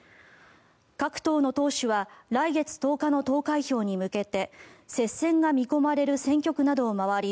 各党の党首は来月１０日の投開票に向けて接戦が見込まれる選挙区などを回り